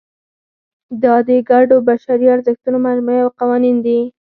دا د ګډو بشري ارزښتونو مجموعې او قوانین دي.